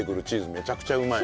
めちゃくちゃうまい。